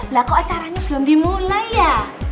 lah kok acaranya belum dimulai ya